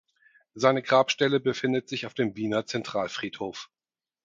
Seine Grabstelle befindet sich auf dem Wiener Zentralfriedhof.